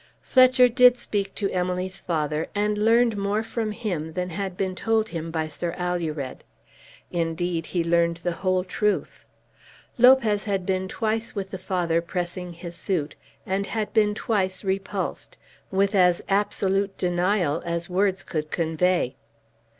Fletcher did speak to Emily's father, and learned more from him than had been told him by Sir Alured. Indeed he learned the whole truth. Lopez had been twice with the father pressing his suit and had been twice repulsed, with as absolute denial as words could convey.